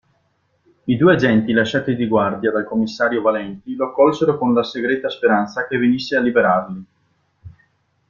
I due agenti lasciati di guardia dal commissario Valenti lo accolsero con la segreta speranza che venisse a liberarli.